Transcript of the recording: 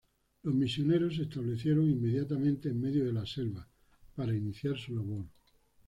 Los misioneros se establecieron inmediatamente en medio de la selva para iniciar su labor.